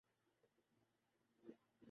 ایک دوسرے کا دکھ درد بھی محسوس کرتے ہیں